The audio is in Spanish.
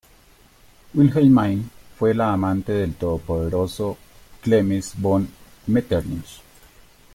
Wilhelmine, fue la amante del todopoderoso Klemens von Metternich.